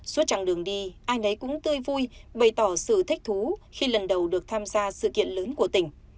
suốt chẳng đường đi ai nấy cũng tươi vui bày tỏ sự thích thú khi lần đầu được tham gia sự kiện lớn của tỉnh